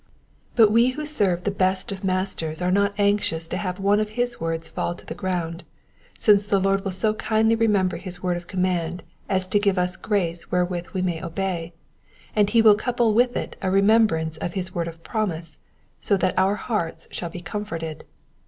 But we who serve the best of masters are not anxious to have one of his words fall to the ground, since the Lord will so kindly remember his word of command as to give us grace wherewith we may obey, and he will couple with it a remembrance of his word of promise, so that our hearts shall be comforted.